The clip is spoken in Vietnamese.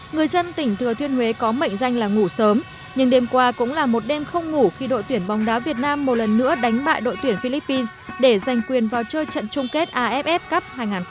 người dân tỉnh thừa thiên huế có mệnh danh là ngủ sớm nhưng đêm qua cũng là một đêm không ngủ khi đội tuyển bóng đá việt nam một lần nữa đánh bại đội tuyển philippines để giành quyền vào chơi trận chung kết aff cup hai nghìn một mươi tám